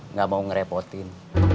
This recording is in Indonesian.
nggak mau ngerepotin